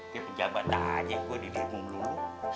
di pejabat aja gua di demo dulu